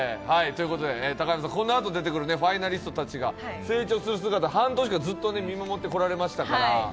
高山さん、このあと出てくるファイナリストたちが成長する姿、半年間ずっと見守ってこられましたから。